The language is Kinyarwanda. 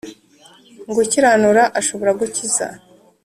ngo ukiranura ashobore gukiza